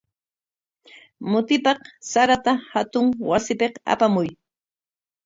Mutipaq sarata hatun wasipik apamuy.